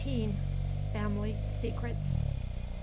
FAMILY SECRETS.